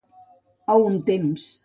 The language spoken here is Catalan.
A un temps.